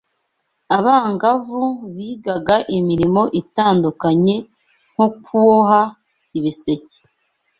Abangavu bigaga imirimo itandukanye nko kwuboha ibisecye